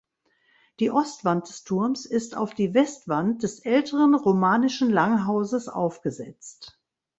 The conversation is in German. Die Ostwand des Turms ist auf die Westwand des älteren romanischen Langhauses aufgesetzt.